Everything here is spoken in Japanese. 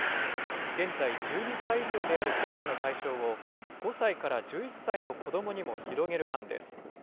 現在、１２歳以上である接種の対象を５歳から１１歳の子どもにも広げる案です。